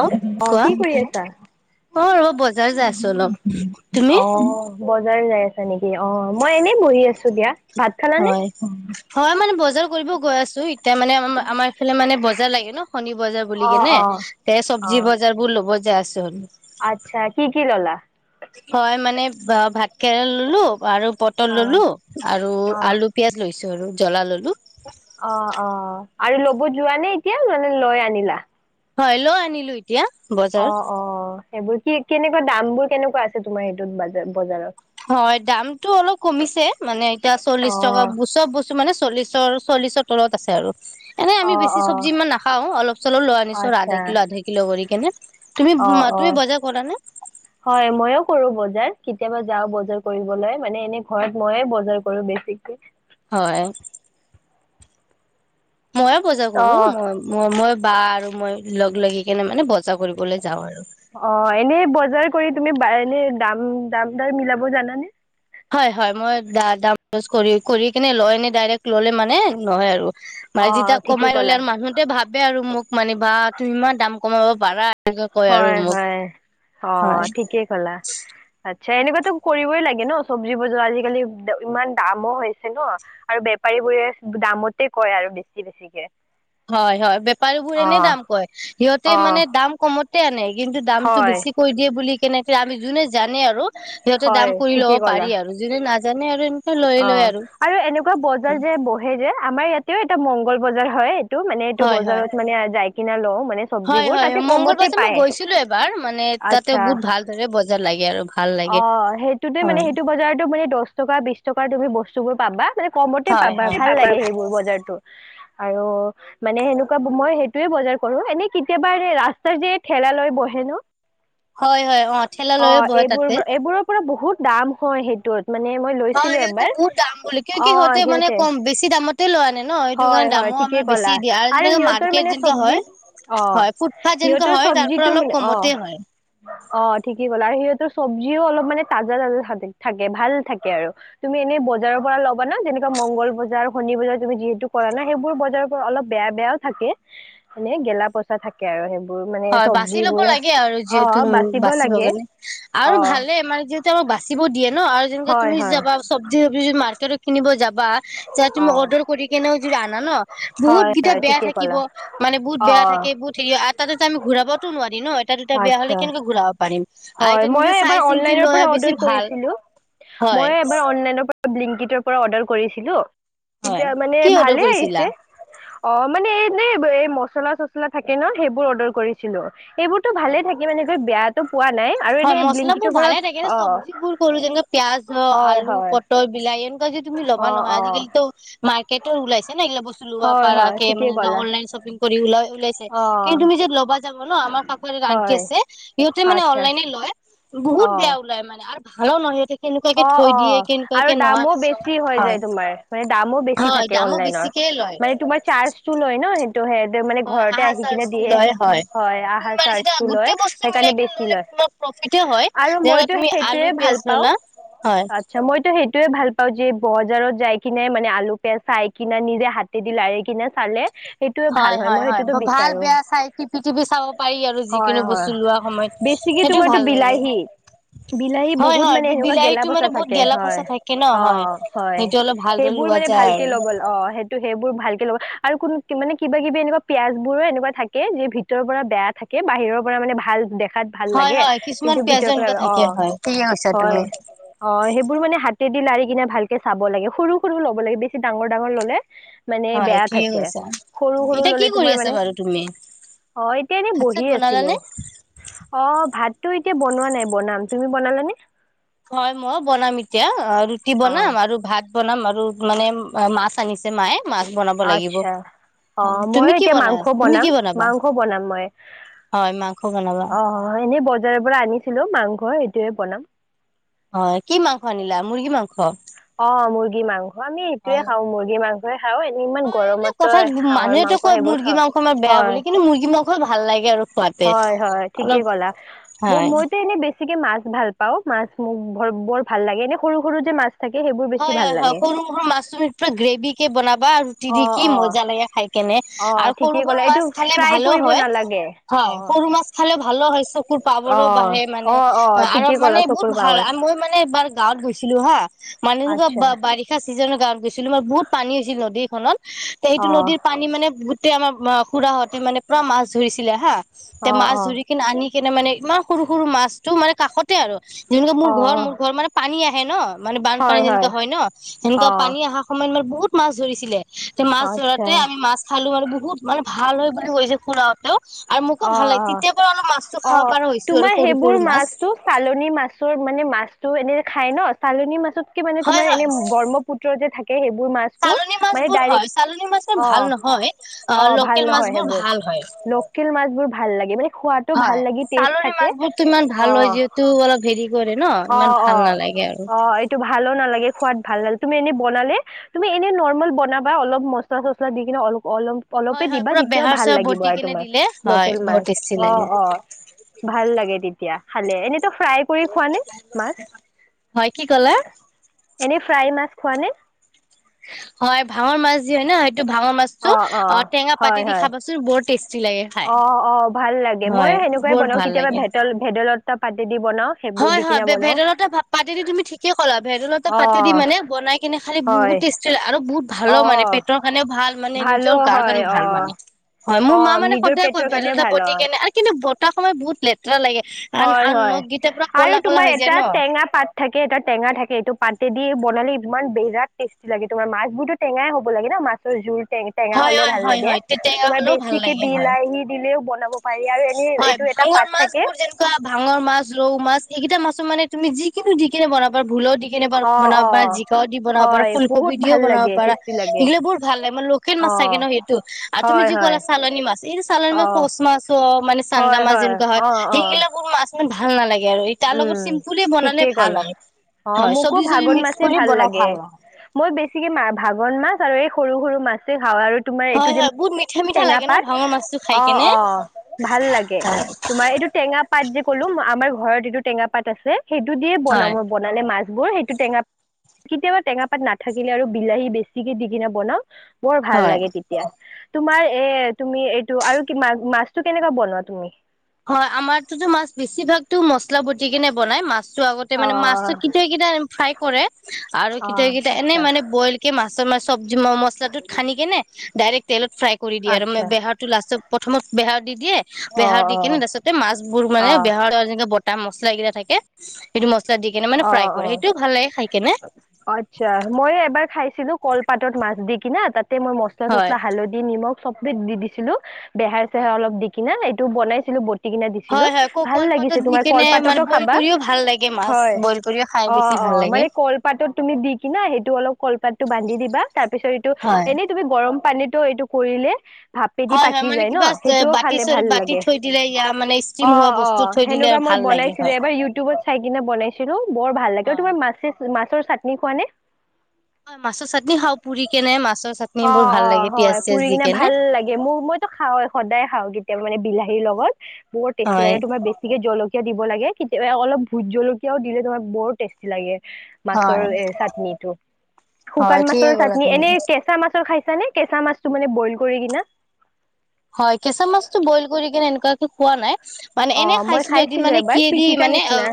অ অ কি কৰি আছা‌? অ' ৰ'বা বজাৰ যাই আছো অলপ তুমি? অ বজাৰ‌ যাই আছা নেকি? অ, মই এনেই বহি আছো দিয়া, ভাত খালা নে? হয় হয় মানে বজাৰ কৰিব গৈ আছো ই তে মানে আম আমাৰ ইফালে মানে বজাৰ লাগে ন শনি বজাৰ বুলি অ কেনে, অ এ অ চব্জি বজ জাৰবোৰ ল'ব যাই আছো। আচ্ছা কি কি ল'লা? হয় মানে ভা- ভাত কেৰেলা ললোঁ আৰু পটল অ ললোঁ আৰু অ আলু পিয়াজ লৈছোঁ আৰু জ্বলা ললোঁ। অ, ' অ' আৰু ল'ব যোৱানে এতিয়া মানে লৈ আনিলা। হয়, লৈ আনিলোঁ ই তিয়া বত অ, ' অ', সেইবোৰ কি কেনেকুৱা দামবোৰ কেনেকুৱা আছে, তোমাৰ সেইটোত বাজা বজাৰত? হয় দামটো অলপ কমিছে মানে এতিয়া চল্লিশ অ টকা ব চব বস [unintelligible] মানে চল্লিছৰ, চল্লিছৰ তলত আছে আৰু। এনে আমি অ বেছি অ চব্জি ইমান নাখাওঁ, অলপ চলপ লৈ আনিছোঁ আৰু আধা আচ্ছা কিলো আধা কিলো কৰি কেনে। তুমি অ মা অ তুমি বজাৰ কৰা নে? হয়, ময়ও কৰো বজাৰ, কেতিয়াবা যাও বজাৰ কৰিবলৈ মানে এনে ঘৰত ময়ে বজাৰ কৰো বে ছিকে। হয়। মইও বজাৰ কৰো, অ মই মই মই বা আৰু মই লগ লাগি কেনে মানে বজাৰ কৰিবলৈ যাওঁ আৰু। অ', এনেই বজাৰ কৰি তুমি বা এনে দাম দাম দাৰ মিলাব জানানে? হয়, হয়, মই দা দাম [unintelligible] কৰি কৰি কিনে লয় এনে ডাইৰেক্ট ল'লে মানে নহয় আৰু। মানে অঁ যেতিয়া ঠিকেই কমাই ল'লে ক'লা আৰু মানুহটোৱে ভাবে আৰু মোক মানে বা তুমি ইমান দাম কমাব পাৰা। এনেকে কয় আৰু হয়, মোক হয়, হয় অ', ঠিকে কলা। আচ্ছা এনেকুৱাতো কৰিবই লাগে ন' চব্জি বজাৰ আজিকালি [unintelligible] ইমান দামো হৈছে ন'। আৰু বেপাৰীবোৰে দামতে কয় আৰু বেছি বেছিকে। হয়, হয়, বেপাৰীবোৰ এনে অঁ দাম কয়, সিহঁতে অঁ মানে দাম কমতে আনে কিন্তু দামটো হয় বেছি কৈ দিয়ে বুলি কেনেকে আমি যোনে জানে আৰু সিহতে হয় দাম কৰি ঠিকেই ল'ব পাৰি আৰু। যোনে নাজানে আৰু লৈ লয় অ', আৰু এনেকুৱা বজাৰ যে বহে যে আমাৰ ইয়াতেও এটা মংগল বজাৰ হয় তো মানে এইটো হয় হয় বজাৰত মানে আ যাই কিনা লওঁ মানে হয় চব্জিবোৰ হয়, তাতে মংগল কমতে বজাৰ মই পায় গৈছিলোঁ এবাৰ মানে তাতে আচ্ছা বহুত ভালদৰে বজাৰ লাগে আৰু। ভাল লাগে অ', সেইটোতে মানে হয় সেইটো বজাৰতো মানে দছ টকা বিশ টকাৰ তুমি বস্তুবোৰ পাবা মানে কমতে হয় পাবা ভাল হয় লাগে সেইবোৰ বজাৰতো। আৰু মানে সেনেকুৱা ব মই সেইটোয়ে বজাৰ কৰো এনে কেতিয়াবা ৰে ৰাস্তা যে ঠেলালৈ বহে ন'? হয় হয় অ ঠেলা লৈয়ে অ', বহে এইবোৰ তাতে এইবোৰৰ পুৰা বহুত দাম হয় সেইটোত মানে মই ল অ', সিহঁতে বহুত দাম বুলি কিয় কি সিহঁতে মানে কম বেছি দামত তে লোৱা আনে ন' সেইটো হয় কাৰণে হয় দামো আমাৰ ঠিকেই বেছি ক'লা দিয়ে আৰু যেনে সিহঁতৰ মাৰ্কেট মানে যেনেকা হয়। চব্জি অ হয়, ফুটফাত যেনেকোৱা সিহঁতৰ হয় তাৰ পৰা চব্জিটো অলপ মানে অ কমতে হয়। অ', ঠিকেই কলা আৰু সিহঁতৰ চব্জিও অলপ মানে তাজা তাজা [unintelligible] থাকে ভাল থাকে আৰু। তুমি এনেই বজাৰৰ পৰা ল'বা না যেনেকা মংগল বজাৰ, শনি বজাৰ তুমি যিহে টো কৰা নাই সেইবোৰ বজাৰৰ পৰা অলপ বেয়া বেয়াও থাকে, মানে গেলা পচ তা থাকে আৰু সেইবোৰ মানে হয় বাচি ল'ব চব্জিবোৰ, লাগে আৰু যিহেতু অ' বাচিব লাগে। কাৰণে আৰু অ ভালে মানে যিহেতু আমাক বাচিব দিয়ে ন' আৰু যেনেকাে হয় তুমি হয় যাবা চব্জি তব্জি যদি মাৰ্কেটত কিনিব যাবা। যায় অ তুমি অৰ্ডাৰ কৰি কেনে যদিও আনা ন, হয় বহুতকেইটা হয় বেয়া ঠিকেই থাকিব। ক'লা মানে বহুত অ বেয়া থাকে, বহুত হেৰী হয় আৰু তাতে ত' আমি ঘুৰাবটো নোৱাৰি ন। এটা দুটা বেয়া হ'লে আচ্ছা কেনেকে ঘূৰাব পাৰিম। আৰু হয়, এতিয়া মইও নিজে চাই এইবাৰ চিন্তি অনলাইনৰ লোৱা পৰা বেছি অৰ্ডাৰ ভাল কৰিছিলোঁ। হয় মইও এইবাৰ অনলাইনৰ পৰা ব্লিংকিটৰ পৰা অৰ্ডাৰ কৰিছিলো, হয় তেতিয়া মানে কি অৰ্ডাৰ ভালে কৰিছিলা? আহিছে। অঁ, মানে এইনে এই মচলা চচলা থাকে ন, সেইবোৰ অৰ্ডাৰ কৰিছিলোঁ। সেইবোৰ টো হয় ভালে থাকে মানে কৈ বেয়াতো হয়, মছলা বোৰ ভালে থাকে অ চব্জিবোৰ কলো যেনেকে পিয়াজ হ হয় আলু, হয় প টল বিলাক, এনেকুৱা যে তুমি অ লবা নহয় অ আজিকালিটো মাৰ্কেটত ওলাইছে না এইবিলাক বস্তু। লোৱা হয় হয় পাৰাকে ঠিকেই মানে ক'লা অনলাইন শ্বপিং কৰি ওলাই ওলাইছে, অ কিন্তু তুমি যত ল'বা ন আমাৰ কাষৰ আণ্টি হয় আছে সিহঁতে মানে আচ্ছা অনলাইনে লয়, বহুত বেয়া ওলাই মানে, আৰু হলো মই সিঁহতি অঁ অ, আৰু দামো বেছি হয় যায় তোমাৰ, মানে দামো বেছি হয় থাকে দামো অনলাইনৰ। বেছিকে লয় মানে তোমাৰ চাৰ্জটো লয় ন, সেই ত, সেইটো মানে হয় ঘৰতে আহা আহি কিনে চাৰ্জটো দিয়ে। লয় হয়, তুমি আহা মানে যেতিয়া চাৰ্জটো গোটেই লয় বস্তু মিলাই সেইকাৰণে কিনে বেছি ললে লয়। তোমাৰ প্ৰফিতে হয় আৰু যেনেকুৱা মইতো তুমি আলু সেইটোৱেই পিয়াজ ভাল পাওঁ। ললা হয় আচ্ছা মইতো সেইটোয়ে ভাল পাওঁ যে এই বজাৰত যাই কিনে মানে আলু পিয়াঁজ চাই কিনে নিজে হাত হাতে দি লাৰি কিনে চালে। সেইটোয়ে ভাল হয় হয় মই হয়, সেইটোতো ভাল বিচাৰো বেয়া চাই টিপি টিপি চাব পাৰি আৰু হয় যিকোনো হয় বস্তু লোৱা সময়ত। বেছিকে সেইটো তোমাৰটো ভাল লাগে বিলাহী, বিলাহী হয় বহুত হয় মানে এনেকুৱা গেলা গেলা বিলাহীটো পছা মানে বহুত থাকে গেলা হয়, পচা থাকে ন হয় অঁ হয় সেইটো অলপ ভালদৰে সেইবোৰ লোৱা মানে যায় ভালকে আৰু লব। অঁ, সেইটো সেইবোৰ ভালকে লব, আৰু কোন মানে কিবা কিবি এনেকুৱা পিয়াজ বোৰো এনেকুৱা থা কে ভিতৰৰ পৰা বেয়া থাকে, বাহিৰৰ পৰা মানে ভাল দেখাত ভাল হয় লাগে, হয় কিছুমান কিন্তু পিয়াজো ভিতৰৰ পৰা এনেকুৱা বেয়া থাকে হয় ঠিকে অঁ কৈছা হয়। তুমি অঁ সেইবোৰ মানে হাতেদি লাৰি কিনে ভালকে চাব লাগে সৰু সৰু লব লাগে বেছি ডাঙৰ ডাঙৰ ললে, মানে হয় বেয়া ঠিকে থাকে, কৈছা সৰু সৰু এতিয়া কি ললে কৰি তোমাৰ আছা মানে বাৰু তুমি অঁ এতিয়া এনেই ভাত চাত বহি বনালানে আছিলো। অঁ, ভাতটো এতিয়া বনোৱা নাই বনাম। তুমি বনালা নে? হয় মই বনাম এতিয়া, অঁ ৰুটি অ বনাম আৰু ভাত বনাম আৰু মানে মা ছ আনিছে মায়ে মাছ বনাব লাগিব। আচ্ছা অ মই তুমি কি এতিয়া বনাই মাংস তুমি বনাম, কি বনাবা মাংস বনাম মই। হয় মাংস বনাবা অঁ অঁ, এনেই বজাৰৰ পৰা আনিছিলো মাংসৰ এইটোয়ে বনাম। হয় কি মাংস আনিলা, মুৰ্গী মাংস? অঁ, মুৰ্গী মাংস আমি এইটোয়ে হয় খাওঁ মুৰ্গী মাং স খাওঁ এনেই ইমান হয় এনে গৰম কথাত তই হাঁহৰ মানুহেতো মাংস কয় সেইবোৰ মুৰ্গী খাও, মাংস আমাৰ বেয়া বুলি হয়। মুৰ্গী মাং স ভাল লাগে আৰু। খোৱাতে হয় হয় ঠিকে অলপ কলা, মোৰ হয় মইতো এনে বে ছিকে মাছ ভাল পাওঁ মাছ মোৰ বৰ ভাল লাগে, এনে সৰু সৰু যে মাছ থাকে সেইবোৰ বেছি হয় ভাল হয় হয়, লাগে সৰু সৰু মাছ মখা পৰা গ্ৰেভিকে বনাবা আৰু ৰুটি অ দি কি অ মজা লাগে খাই। কেনে অ আৰু সৰু ঠিকেই সৰু ক'লা এইটো মাছ খালে ফ্ৰাই ভালো কৰিব হয়। নালাগে অ হয় সৰু মাছ খালে ভালো হয় চকুৰ অ পাৱাৰো বাঢ়ে মানে। অ অ অঁ আৰু ঠিকেই ক'লা মানে বহুত চকুৰ ভাল পাৱাৰ মই মানে এবাৰ গাঁৱত গৈছিলো হা, মানে এনেকুৱা আচ্ছা বাৰিত চিজনত গাঁৱত গৈছিলো মই, বহুত পানী হৈছিল নদীখনত সেইটো অ নদী পানী, মানে বহুতে আমাৰ খুৰাহতে পোৰা মাছ ধৰিছিলে হা অ তেতিয়া মাছ অ ধৰি, আনি কেনে মানে ইমান সৰু সৰু মাছতটো মানে কাষত, যেনেকে অ ঘৰ মোৰ ঘৰ মানে পানী আহে ন, মানে বান এনোকা হয় ন, অ হেনেকোৱা পানী সময়তম বহুত মাছ ধৰিছিলে, তেতিয়া মাছ আচ্ছা ধৰুতে আমি মাছ, খালো আৰু বহুত মানে ভাল হয় বুলি কৈছে, খুৰাতেও। আৰু মোকো অ ভাল লাগে অ তেতিয়াৰ পৰা অলপ মাছো অ খাব পৰা হৈছো তোমাৰ আৰু সৰু সেইবোৰ সৰু মাছ। মাছটো চালনী মাছৰ মানে মাছতো এনে খাই ন, চালনী মাছতকে মানে হয় তোমাৰ এনে হয় ব্ৰহ্মপুত্ৰ। যে থাকে সেইবোৰ মাছ, চালনী মাছ বোৰ হয়, চালনী মাছো বোৰ ভাল নহয়, অ ভাল লোকেল মাছ নহয় বোৰ সেইবোৰ ভাল হয়। লোকেল মাছবোৰ ভাল লাগে মানে খোৱাতো ভাল হয়, লাগি টেষ্ট চালনি থাকে মাছবোৰতো ইমান অ ভাল হয়, যিহেতু অলপ হেৰি কৰে ন। অ ইমান অ ভাল নালাগে আৰু। অ এইটো ভালো নালাগে, খোৱাত ভাল লালে তুমি এনেই বনালে। তুমি এনে নৰ্মেল বনাবা, অলপ মচলা চচলা দি কিনে অলপ অলপ। হয় অলপে হয় দিবা, পুৰা তেতিয়াও বেহাৰ ভাল চেহাৰ লাগিব বটি আৰু কেনে তোমাৰ। দিলে হয় লোকেল বহুত মাছ টেষ্টি অ লাগে অ ভাল লাগে তেতিয়া খালে, এনেতো ফ্ৰাই। পুৰি খোৱা নে মাছ, হয় কি ক'লা এনেই ফ্ৰাই মাছ খোৱা নে? হয়, ভাঙৰ মাছ যি হয় ন, সেইটো ভাঙৰ মাছতো অ, টেঙা হয় পাতি দি হয় খাবাচোন। বৰ টেষ্টি লাগে। খাই অ', অ' ভাল লাগে, হয় ময়ো সেনেকুৱাই বহুত বনাও ভাল কেতিয়াবা লাগে ভেঁদ - ভেদাইলতা পাতে দি বনাও। সেইবোৰ হয়, দি হয় কিনে বনাও ভেদাইলতা পাতেদি তুমি ঠিকে ক'লা, ভেদাইলতা অ পাতেদি মানে বনাই কিনে খালে বহুত হয় টষ্টি আৰু অ মানে পেটৰ কাৰণেও ভাল। মানে ভালো নিজৰ গাৰ হয় কাৰণে অ ভাল মানে, হয়। অ মোৰ মা মানে নিজৰ সদায় কয় পেটৰ কাৰণে ভেদাইলতা ভাল বদি অ কিনে কিন্তু, বটা সময়ত বহুত লেতেৰা লাগে। আন হয়, আন হয় নখকেইটা পুৰা ক'লা আৰু ক'লা তোমাৰ হৈ যায় এটা ন টেঙা পাত থাকে এটা টেঙা থাকে এইটো পাতে দি বনালে ইমান বিৰাট টেষ্টি লাগে তোমাৰ। মাছবোৰতো টেঙাই হ'ব লাগে ন, মাছৰ জোল টেঙ টেঙা হয় হ'লে হয় ভাল হয় লাগে। হয় তে টেঙা তোমাৰ হ'লেও ভাল বেছিকে লাগে হয় বিলাহী দিলেও বনাব, পাৰি, আৰু এনেই এইটো এটা পাত থাকে ভাঙোন মাছ ৰৌ মাছ এইকেইটা মাছো মানে তুমি যি কোনো দি কিনে বনাব পাৰা ভুলো দি কেনেবা অ বনাব অ পাৰা জিকাও দি বনাব পাৰা হয় ফুলকবি বহুত দিও ভাল বনাব লাগে পাৰা টেষ্টি লাগে সেইবিলাক বহুত ভাল লাগে, মানে লকেল মাছ অ থাকে ন, সেইটো। আৰু তুমি হয় যি হয় ক'লা চালনী মাছ এইটো চালানী মা অ কচ মাছ অ' মানে চান্দা হয় মাছ যেনেকুৱা হয়, অ অ সেইগিলা বোৰো মাছ মানে ভাল নালাগে আৰু। তাৰ লগত উম বনালে ঠিকেই ভাল ক'লা আৰু, অ হয় মোকো চব্জি -তব্জি ভাগন মিক্স মাছেই কৰি বনাই ভাল লাগে। মই, বেছিকে ভাঙোন মাছ আৰু এই সৰু সৰু মাছেই খাওঁ আৰু। তোমাৰ হয় এইটো যে হয় বহুত মিঠা মিঠা টেঙা লাগে ন পাত ভাঙৰ মাছটো খাই অ কেনে অ ভাল লাগে, তোমাৰ এইটো টেঙা পাত যে ক'লো, আমাৰ ঘৰত যিটো টেঙা পাত আছে, সেইটো দিয়ে হয় বনাওঁ। বনালে মাছবোৰ সেইটো টেঙা কেতিয়াবা টেঙা পাত নাথাকিলে আৰু বিলাহী বেছিকে দি কিনে বনাও, বৰ ভাল হয়। লাগে তেতিয়া। এতিয়া তোমাৰ এ তুমি, এইটো আৰু মা- মাছটো কেনেকুৱা বনোৱা তুমি? হয়। আমাৰতো মাছ বেছিভাগতো মছলা বতি কিনে বনাই, মাছতো আগতে অ মানে মাছ কেতিয়াবা কেতিয়াবা ফ্ৰাই কৰে আৰু, অ কেতিয়া কেতিয়া এনেই আচ্ছা মানে বইল মাছৰ ম [unintelligible] চব্জি মছলাটোত সানি কিনে, ডাইৰেক্ট তেলত ফ্ৰাই কৰি দিয়ে আৰু। আচ্ছা বেহত লাষ্টত প্ৰথমত বেহাৰ দি, অ বেহাৰ দি অ কিনে তাৰপিছতে মাছ অ মানে বেহাৰ তাত মছলা কেইটা থাকে, সেইটো মছলা দি কেনে মানে অ ফ্ৰাই কৰে, অ সেইটোও ভাল লাগে খাই কিনে। আচ্ছা, মইএবাৰ খাইছিলোঁ। কলপাতত মাছ দি কিনে, তাতে মই মছলা হয়। চছলা হালধি, নিমখ চবে দি দিছিলোঁ বেহাই চেহাই হয়। অলপ দি কিনে এইটো বনাইছিলোঁ। ব হয়, হয়, ক কলপাতৰ দি কেনে কলপাততো মানে বইল খাবা কৰিও ভাল লাগে মাছ হয় বইল কৰি। অ' অ' কলপাতত তুমি দি কিনে, সেইটো অলপ কলপাতটো বান্ধি দিবা। তাৰপিছত এইটো হয়। এনেই তুমি গৰম পানীটো এইটো কৰিলে ভাপেদি হয় হয় পাকি মানে যায় ন, কিবা সেইটোও বাতি খালে চ ভাল বাতি লাগে। থৈ দিলে ইয়া মানে ষ্টিম হোৱা অ' বস্তু অ' থৈ দিলে সেনেকুৱা মই ভাল লাগে বনাইছোঁ। হয়। এবাৰ ইউটিউবত চাই কিনে বনাইছিলোঁ বৰ ভাল লাগে, অহ' হয়। তোমাৰ মা মাছৰ চাটনি খোৱা নে? হয়, মাছৰ চাটনি খাওঁ, পুৰি কেনে, মাছৰ চাটনি অ বোৰ ভাল অ লাগে হয় পিয়াজ পুৰি চিয়াজ দি কিনে কেনে। ভাল লাগে মোৰ, মইতো খাওঁৱে সদায় খাওঁ, কেতিয়া মানে বিলাহীৰ লগত মোৰ টেষ্টি হয়। লাগে। তোমাৰ বেছি বেছিকে জলকীয়া দিব লাগে। কেতিয়াবা অলপ ভোট জলকীয়াও দিলে তোমাক বৰ টেষ্টি লাগে। মাছৰ হয় এই চাটনি টো, শুকান হয় মাছৰ ঠিকে ক'লা চাটনি তুমি। এনেই কে কেঁচা মাছৰ খাইছ নে, কেঁচা মাছটো মানে বইল কৰি কিনে? হয়, কেঁচা মাছটো বইল কৰি কিনে এনেকুৱাকে খোৱা নাই। মানে অ এনে মই খাইছিলোঁ। এদিন খাইছিলো মানে এবাৰ কি এদিন পিটিকা মানে নিচিনা অ'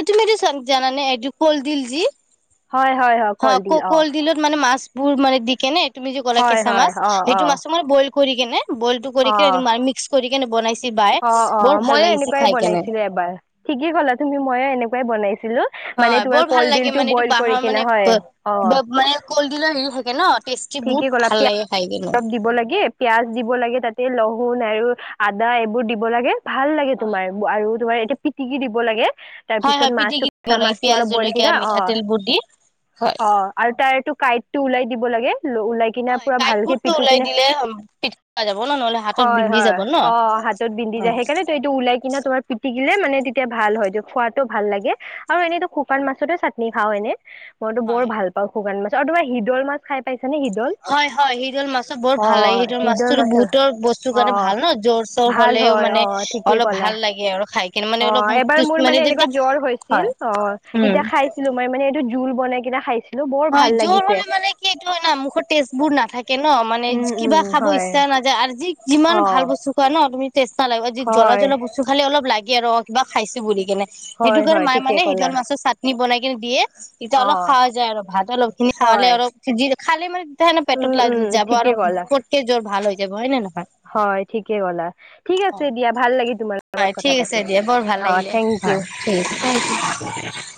এই তুমি এইটো জানানে এইটো কল দিল যি? হয়, হয়, হয়। হ ক কলডিল অ কল দিলত মাছবোৰ মানে দি কেনে, তুমি যে ক'লা হয় কেঁচা হয় মাছ, অ অ সেইটো মাছো মই বইল টো কৰি কেনে বইলটো কৰি কিনে অ মাইয়ে মিক্স কৰি কেনে বনাইছে। বাই অ' বৰ অ' ভাল মইয়ো লাগিছে এনেকুৱাই খাই কেনে বনাইছিলোঁ। এবাৰ ঠিকেই ক'লা তুমি মইয়ো এনেকুৱাই বনাইছিলোঁ। মানে হয় বৰ তোমাৰ ভাল লাগে কলডিল টো মানে এইটো বইল কৰি বাঁহৰ মানে কিনে হয়। অহ' মানে কলডিলৰ এৰি থাকে ন, টেষ্টি ঠিকেই বহুত ক'লা ভাল পিয়াজ লাগে খাই কিনে। অলপ দিব লাগে, পিয়াঁজ দিব লাগে। তাতে লহুন আৰু আদা এইবোৰ দিব লাগে। ভাল লাগে হয় তোমাৰ আৰু তোমাৰ এইয়াতে পিটিকি দিব লাগে। তাৰ হয় পিছত হয় মাছটো, পিটিকি দিব কেঁচা লাগে মাছটো পিয়াজ অলপ বইল জলকীয়া দিবা অ' মিঠাতেলবোৰ দি হয় অ' আৰু তাৰ এইটো কাইটটো ওলাই দিব লাগে। ওলাই কিনে হয় পুৰা ভালকে কাঁইটবোৰতো পিটি ওলাই কিনে দিলে পিটিকা যাব ন নহ'লে হাতত হয়, বিন্ধি হয়। যাব ন অ' হাতত বিন্ধি হয় যায়। সেইকাৰণে এইটো ওলাই কিনে তোমাৰ পিটিকিলে মানে তেতিয়া ভাল হয়। খোৱাটো ভাল লাগে আৰু এনেইতো শুকান মাছতে চাট নি, খাওঁ এনে, মইতো বৰ হয় ভাল পাওঁ। শুকান মাছ আৰু তোমাৰ হিদল মাছ খাই পাইছানে? হিদল? হয়, হয়, হিদল মাছ। বৰ অ ভাল লাগে। হিদল হৃদয় মাছটোতো মাছৰ বহুতৰ বস্তুৰ অ কাৰণে ভাল ন, জ্বৰ চৰ ভাল হ'লেও হয় মানে অ ঠিকেই অলপ ক'লা ভাল লাগে আৰু খাই কিনে, অ মানে অলপ মুখ এবাৰ মোৰ তুচ মানে এনেকুৱা তেনেকা হয়, উম। ছিলোঁ, মই মানে এইটো জোল বনাই কিনে খাইছিলোঁ। বৰ ভাল লাগিছে। সেইটো হয় না মুখৰ টেষ্টবোৰ নাথাকে ন মানে উম উম কিবা খাব হয় ইচ্ছা নাযায় আৰু যি যিমান অ ভাল বস্তু খোৱা ন তুমি টেষ্ট নালাগা যি জ্বলা, হয় জ্বলা বস্তুৰ খালে অলপ লাগে আৰু অ' কিবা খাইছোঁ বুলি কেনে। সেইটো হয় কাৰণে হয় মাইয়ে ঠিকেই মানে ক'লা হিদল মাছৰ চাটনি বনাই কিনে দিয়ে। তেতিয়া অ অলপ খাৱা যায় আৰু ভাত অলপখিনি খালে হয় অলপ যি খালে মানে তাৰ হেনো উম পেটটোত লা উম যাব ঠিকে আৰু ক'লা পটকে জ্বৰ ভাল হৈ যাব হয় নে নহয়? হয়, ঠিকে ক'লা, ঠিক আছে হয়। দিয়া, ভাল লাগি তোমাৰ লগত হয় কথা ঠিক আছে পাতি। দিয়া বৰ ভাল অ লাগিলে। থেংক ইউ হয়, ঠিক